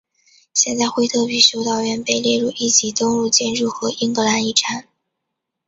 现在惠特比修道院被列入一级登录建筑和英格兰遗产。